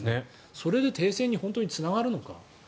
それで停戦に本当につながるのか